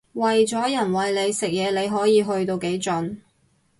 為咗人餵你食嘢你可以去到幾盡